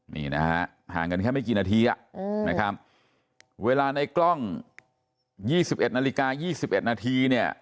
นี่นะฮะห่างกันแค่ไม่กี่นาทีนะครับเวลาในกล้อง๒๑นาฬิกา๒๑นาทีเนี่ย